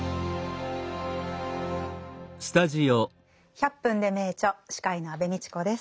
「１００分ｄｅ名著」司会の安部みちこです。